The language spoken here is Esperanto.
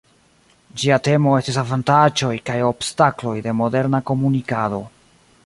Ĝia temo estis "Avantaĝoj kaj obstakloj de moderna komunikado".